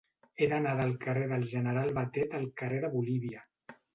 He d'anar del carrer del General Batet al carrer de Bolívia.